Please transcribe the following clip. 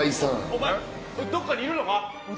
お前、どこかにいるのか？